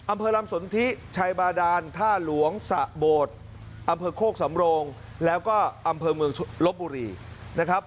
อำเภอลำสนทิชัยบาดานท่าหลวงสะโบดอำเภอโคกสำโรงแล้วก็อำเภอเมืองลบบุรีนะครับ